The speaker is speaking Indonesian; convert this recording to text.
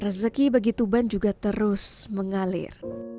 rezeki bagi tuban juga terus mengalir